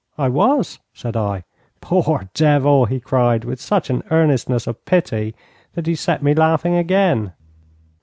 'I was,' said I. 'Poor devil!' he cried, with such an earnestness of pity that he set me laughing again.